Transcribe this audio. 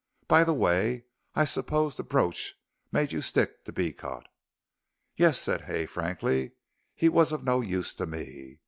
By the way, I suppose the brooch made you stick to Beecot?" "Yes," said Hay, frankly; "he was of no use to me.